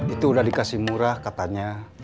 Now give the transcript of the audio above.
itu udah dikasih murah katanya